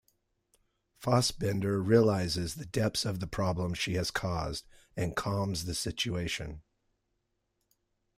Fassbender realizes the depths of the problem she has caused and calms the situation.